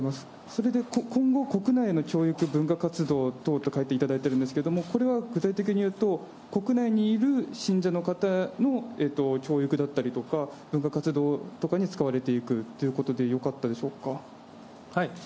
それで今後、国内の教育文化活動等と書いていただいてるんですけれども、これは具体的に言うと、国内にいる信者の方の教育だったりとか、文化活動とかに使われていくということでよかったでしょうか。